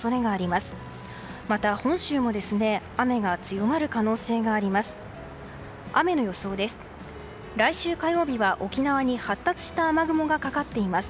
また本州も雨が強まる可能性があります。